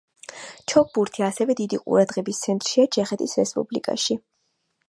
ჩოგბურთი ასევე დიდი ყურადღების ცენტრშია ჩეხეთის რესპუბლიკაში.